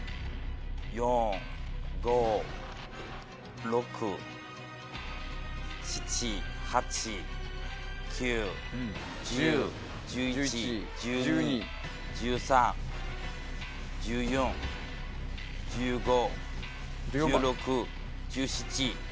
４・５・６７・８・９１０・１１・１２・１３１４・１５・１６・１７・１８。